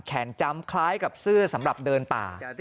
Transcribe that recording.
จำคล้ายกับเสื้อสำหรับเดินป่า